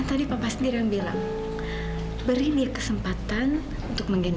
sampai jumpa di video selanjutnya